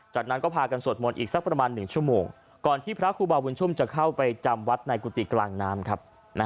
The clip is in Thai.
จากนั้นก็พากันสวดมนต์อีกสักประมาณ๑ชั่วโมงก่อนที่พระครูบาบุญชุมจะเข้าไปจำวัดในกุฏิกลางน้ำครับ